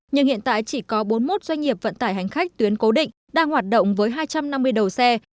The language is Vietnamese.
nhưng hiện tại chỉ có bốn mươi một doanh nghiệp vận tải hành khách tuyến cố định đang hoạt động với hai trăm năm mươi đầu xe